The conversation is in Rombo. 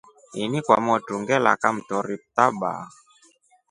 Ini kwa motru ngela kamtori taba.